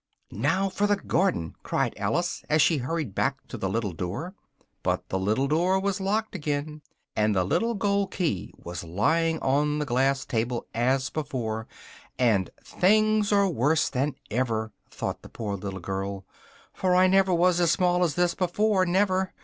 "Now for the garden!" cried Alice, as she hurried back to the little door, but the little door was locked again, and the little gold key was lying on the glass table as before, and "things are worse than ever!" thought the poor little girl, "for I never was as small as this before, never!